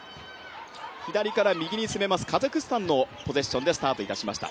左から右に攻めますカザフスタンのポゼッションでスタートいたしました。